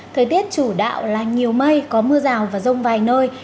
thời tiết chủ đạo là nhiều mây có mưa rào và rông vài nơi